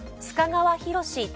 須賀川拓